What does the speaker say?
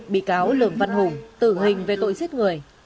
bị cáo lường văn hùng tử hình về tội giết người